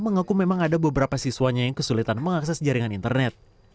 mengaku memang ada beberapa siswanya yang kesulitan mengakses jaringan internet